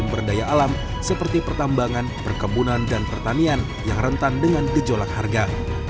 sumber daya alam seperti pertambangan perkebunan dan pertanian yang rentan dengan gejolak harga